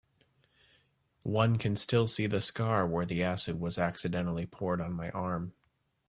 One can still see the scar where the acid was accidentally poured on my arm.